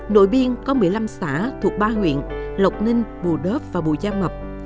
nội biên có một mươi năm xã thuộc ba huyện lộc ninh bù đớp và bù gia mập